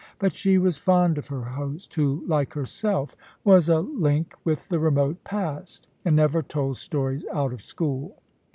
But she was fond of her host, who, like herself, was a link with the remote past, and never told stories out of school.